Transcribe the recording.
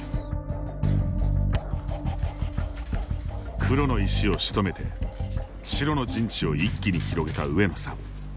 黒の石をしとめて白の陣地を一気に広げた上野さん。